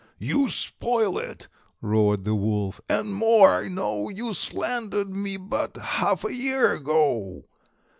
"You spoil it!" roared the Wolf; "and more, I know, You slandered me but half a year ago."